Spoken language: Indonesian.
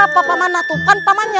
siapa yang kian santan